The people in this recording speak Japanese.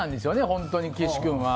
本当に岸君は。